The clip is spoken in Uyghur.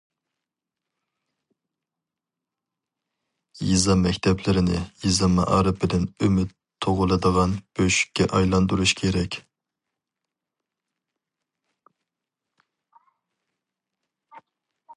يېزا مەكتەپلىرىنى يېزا مائارىپىدىن ئۈمىد تۇغۇلىدىغان بۆشۈككە ئايلاندۇرۇش كېرەك.